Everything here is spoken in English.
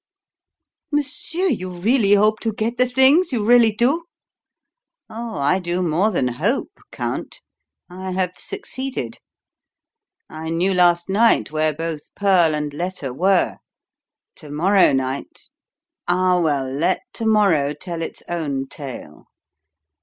"Monsieur! You really hope to get the things? You really do?" "Oh, I do more than 'hope,' Count I have succeeded. I knew last night where both pearl and letter were. To morrow night ah, well, let to morrow tell its own tale.